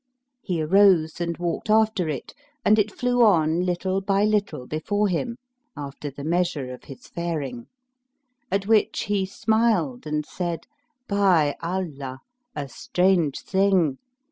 He arose and walked after it, and it flew on little by little before him, after the measure of his faring; at which he smiled and said, "By Allah, a strange thing!